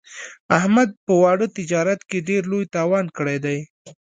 احمد په واړه تجارت کې ډېر لوی تاوان کړی دی.